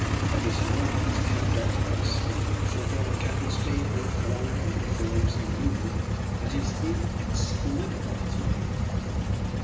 At this moment Count d'Artigas, Engineer Serko and Captain Spade go forward and perform some manoeuvre that is inexplicable to me.